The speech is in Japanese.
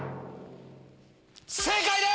正解です！